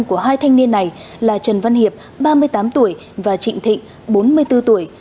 của hai thanh niên này là trần văn hiệp ba mươi tám tuổi và trịnh thịnh bốn mươi bốn tuổi